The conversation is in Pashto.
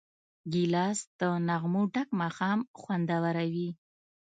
ګیلاس له نغمو ډک ماښام خوندوروي.